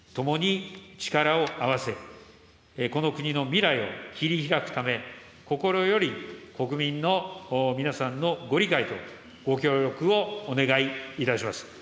共に力を合わせ、この国の未来を切りひらくため、心より国民の皆さんのご理解とご協力をお願いいたします。